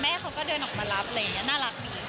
แม่เขาก็เดินออกมารับเลยน่ารักดี